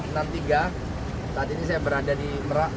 saat ini saya berada di merak